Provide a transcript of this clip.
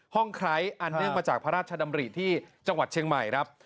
ห้องใคร้อันนี้มาจากพระราชดำรีที่จังหวัดเชียงใหม่